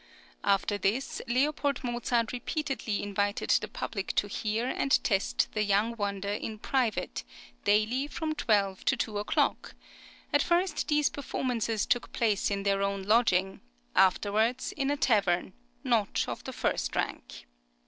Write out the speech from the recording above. After this, L. Mozart repeatedly invited the public to hear and test the young wonder in private daily from twelve to two o'clock; at first these performances took place in their own lodging, afterwards in a tavern, not of the first rank.